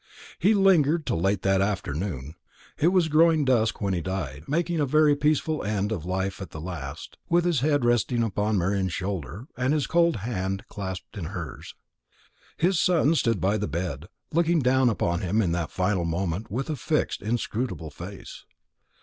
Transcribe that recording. He lingered till late that afternoon. It was growing dusk when he died, making a very peaceful end of life at the last, with his head resting upon Marian's shoulder, and his cold hand clasped in hers. His son stood by the bed, looking down upon him at that final moment with a fixed inscrutable face.